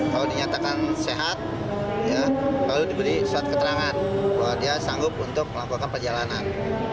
kalau dinyatakan sehat lalu diberi surat keterangan bahwa dia sanggup untuk melakukan perjalanan